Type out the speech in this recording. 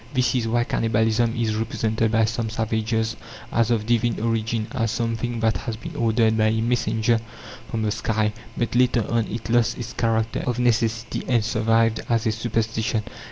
This is why cannibalism is represented by some savages as of divine origin, as something that has been ordered by a messenger from the sky. But later on it lost its character of necessity, and survived as a superstition.